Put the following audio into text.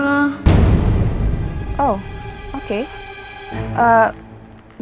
aku mau ikutan